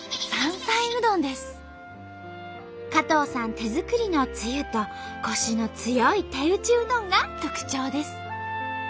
手作りのつゆとコシの強い手打ちうどんが特徴です。